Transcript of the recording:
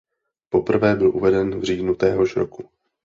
Poprvé byl uveden v říjnu téhož roku.